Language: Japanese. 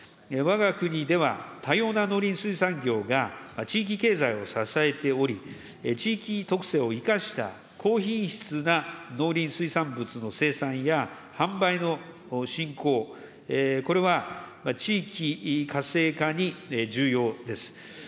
わが国では多様な農林水産業が地域経済を支えており、地域特性を生かした高品質な農林水産物の生産や販売の振興、これは地域活性化に重要です。